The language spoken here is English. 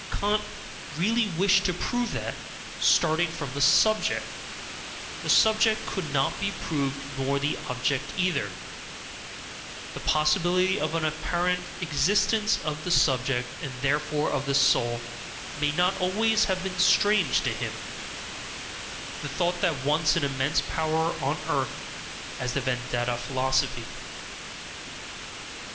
KANT really wished to prove that, starting from the subject, the subject could not be proved nor the object either: the possibility of an APPARENT EXISTENCE of the subject, and therefore of "the soul," may not always have been strange to him, the thought which once had an immense power on earth as the Vedanta philosophy.